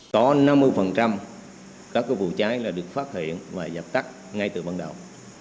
có năm mươi các vụ cháy là được phát hiện và dập tắt ngay từ vận đạo